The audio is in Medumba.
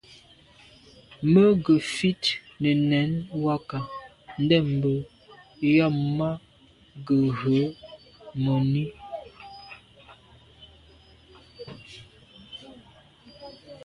Mə́ gə̀ fít nə̀ nɛ̌n wákà ndɛ̂mbə̄ yɑ̀mə́ má gə̀ rə̌ mòní.